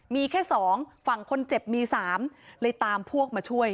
มีแค่๒ฝั่งคนเจ็บมี๓เลยตามพวกมาช่วย